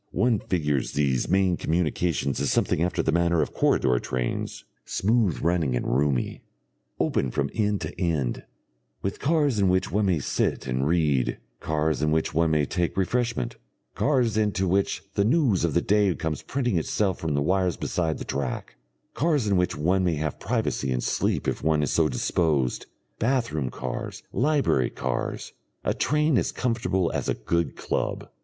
One figures these main communications as something after the manner of corridor trains, smooth running and roomy, open from end to end, with cars in which one may sit and read, cars in which one may take refreshment, cars into which the news of the day comes printing itself from the wires beside the track; cars in which one may have privacy and sleep if one is so disposed, bath room cars, library cars; a train as comfortable as a good club.